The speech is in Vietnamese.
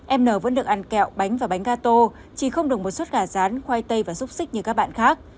em nở vẫn được ăn kẹo bánh và bánh gà tô chỉ không đồng một suất gà rán khoai tây và xúc xích như các bạn khác